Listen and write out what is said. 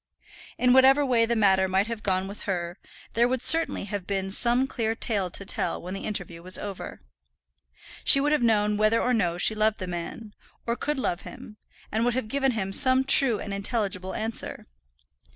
In whatever way the matter might have gone with her, there would certainly have been some clear tale to tell when the interview was over. She would have known whether or no she loved the man, or could love him, and would have given him some true and intelligible answer.